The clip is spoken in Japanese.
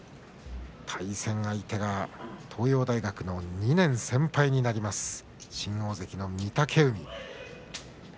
対戦相手が東洋大学の２年先輩になります新大関の御嶽海。